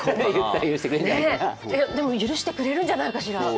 でも、許してくれるんじゃないかしら？